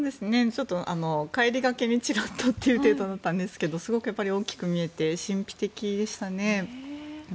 ちょっと帰りがけにちらっとという程度だったんですがすごく大きく見えて神秘的でしたね。